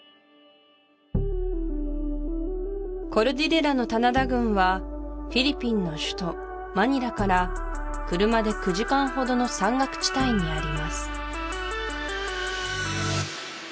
コルディレラの棚田群はフィリピンの首都マニラから車で９時間ほどの山岳地帯にあります